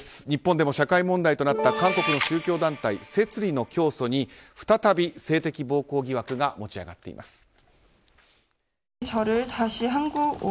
日本でも社会問題となった韓国の宗教団体摂理の教祖に再び性的暴行疑惑が持ち上がっています。